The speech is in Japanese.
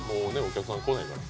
お客さん来ないから。